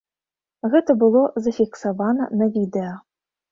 Гэта было зафіксавана на відэа.